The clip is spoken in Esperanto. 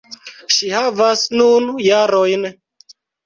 Ŝi havas nun jarojn.